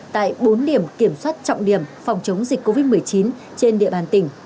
tại bốn điểm kiểm soát trọng điểm phòng chống dịch covid một mươi chín trên địa bàn tỉnh